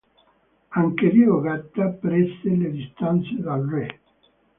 Anche Diego Gatta prese le distanze dal re.